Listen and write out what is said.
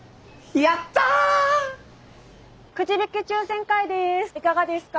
いかがですか。